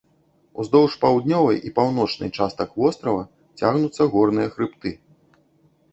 Уздоўж паўднёвай і паўночнай частак вострава цягнуцца горныя хрыбты.